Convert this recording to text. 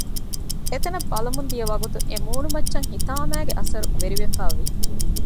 އެތަނަށް ބަލަމުން ދިޔަ ވަގުތު އެ މުނޫމައްޗަށް ހިތާމައިގެ އަސަރު ވެރިވެފައިވި